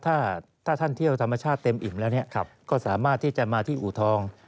ถ้าท่านเที่ยวธรรมชาติเต็มอิ่มแล้วก็สามารถที่จะมาที่อูทอง